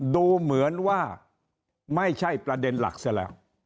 ดูเหมือนว่าไม่ใช่ประเด็นหลักซะแล้ว